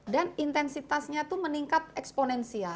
dan intensitasnya itu meningkat eksponensial